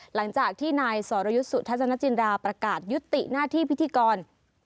หลังจากที่นายสรยุทธ์สุทัศนจินดาประกาศยุติหน้าที่พิธีกร